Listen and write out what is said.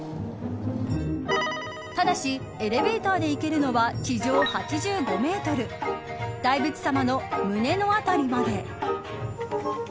ただし、エレベーターで行けるのは地上８５メートル大仏さまの胸の辺りまで。